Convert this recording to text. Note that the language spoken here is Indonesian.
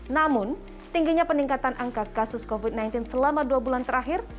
namun tingginya peningkatan angka kasus covid sembilan belas selama dua bulan terakhir